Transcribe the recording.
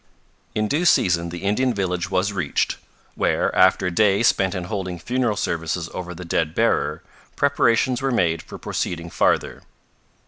In due season the Indian village was reached, where, after a day spent in holding funeral services over the dead bearer, preparations were made for proceeding farther.